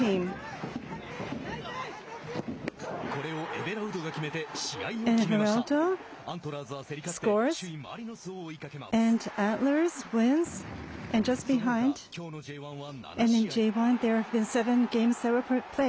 これをエヴェラウドが決めて試合を決めました。